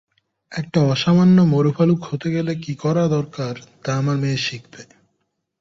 একটা অসামান্য মরু ভালুক হতে গেলে কী করা দরকার তা আমার মেয়ে শিখবে।